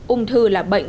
ung thư là bệnh